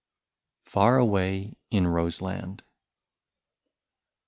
22 FAR AWAY IN ROSELAND.